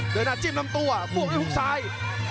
เดินหน้าจิ้มลำตัวทุกคนอายุภูมิซ้าย